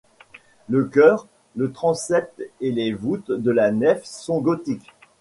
Le chœur, le transept et les voûtes de la nef sont gothiques.